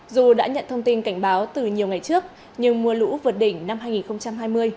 dù đã nhận thông tin cảnh báo từ nhiều ngày trước nhưng mưa lũ vượt đỉnh năm hai nghìn hai mươi